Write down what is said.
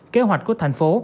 kế hoạch của thành phố